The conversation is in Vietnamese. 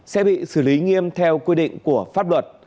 sẽ bị xử lý nghiêm theo quy định của pháp luật